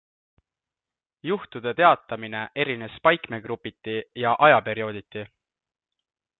Juhtude teatamine erines paikmegrupiti ja ajaperiooditi.